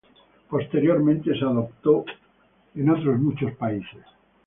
Posteriormente se adoptó en otros muchos países.